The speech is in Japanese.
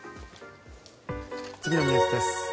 次のニュースです。